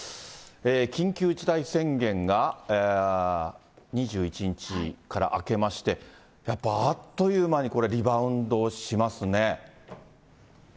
緊急事態宣言が２１日から明けまして、やっぱあっという間にこれ、リバウンドしますね。